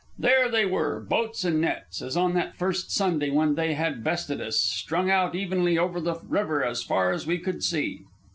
There they were, boats and nets, as on that first Sunday when they had bested us, strung out evenly over the river as far as we could see.